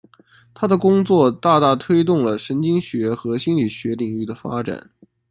他的工作大大推动了神经学和心理学领域的发展。